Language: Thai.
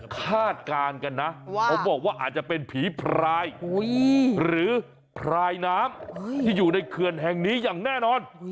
คาดการณ์กันนะเขาบอกว่าอาจจะเป็นผีพรายหรือพรายน้ำที่อยู่ในเขื่อนแห่งนี้อย่างแน่นอน